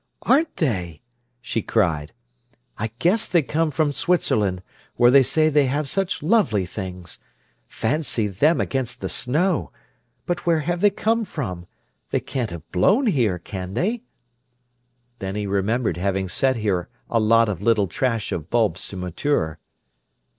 "Aren't they!" she cried. "I guess they come from Switzerland, where they say they have such lovely things. Fancy them against the snow! But where have they come from? They can't have blown here, can they?" Then he remembered having set here a lot of little trash of bulbs to mature.